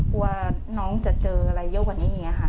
กลัวน้องจะเจออะไรเยอะกว่านี้อย่างนี้ค่ะ